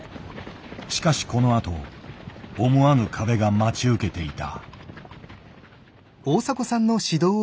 しかしこのあと思わぬ壁が待ち受けていた。